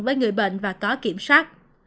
với người bệnh và có kiểm soát